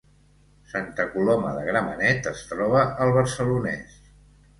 Santa Coloma de Gramenet es troba al Barcelonès